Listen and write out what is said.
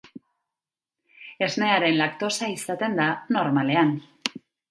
Esnearen laktosa izaten da, normalean.